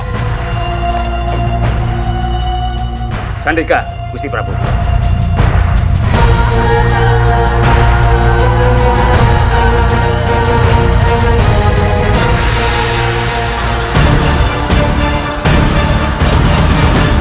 untuk menjemput putra aku surawi sese untuk menjemput putra aku surawi sese dan menangkapnya dengan kebenaran